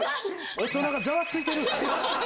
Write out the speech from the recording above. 大人がざわついてる！